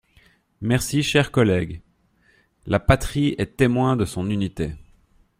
Merci, chers collègues. La patrie est témoin de son unité.